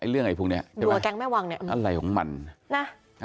ทุกฝ่ายเขายิงมา